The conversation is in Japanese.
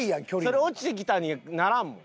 それ落ちてきたにならんもん。